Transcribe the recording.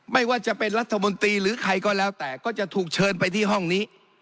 ไม่ว่าจะเป็นรัฐมนตรีหรือใครก็แล้วแต่ก็จะถูกเชิญไปที่ห้องนี้